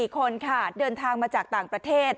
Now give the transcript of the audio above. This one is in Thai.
๔คนค่ะเดินทางมาจากต่างประเทศ